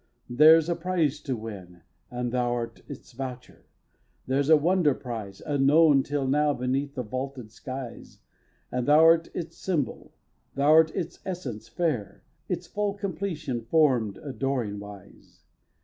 There's a prize to win And thou'rt its voucher; there's a wonder prize, Unknown till now beneath the vaulted skies, And thou'rt its symbol; thou'rt its essence fair, Its full completion form'd adoring wise!